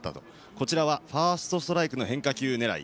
こちらはファーストストライクの変化球狙い